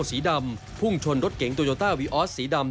สีดำพุ่งชนรถเก๋งโตโยต้าวีออสสีดำ